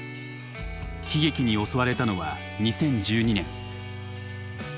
悲劇に襲われたのは２０１２年。